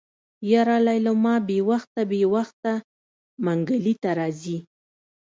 يره ليلما بې وخته بې وخته منګلي ته راځي.